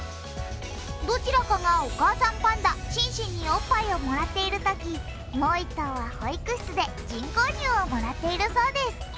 どちらかがお母さんパンダ、シンシンにおっぱいをもらっているときもう一頭は保育室で人工乳をもらっているそうです。